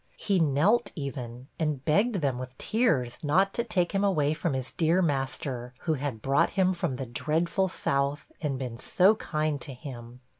He knelt, even, and begged them, with tears, not to take him away from his dear master, who had brought him from the dreadful South, and been so kind to him.